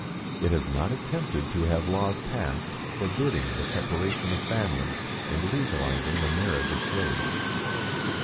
It has not attempted to have laws passed forbidding the separation of families and legalizing the marriage of slaves.